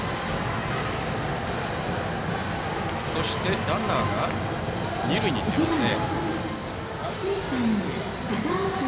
そして、ランナーが二塁に行ってますね。